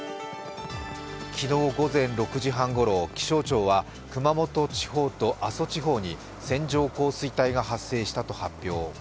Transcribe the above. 昨日午前６時半ごろ、気象庁は熊本地方と阿蘇地方に線状降水帯が発生したと発表。